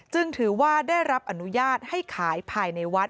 ถือว่าได้รับอนุญาตให้ขายภายในวัด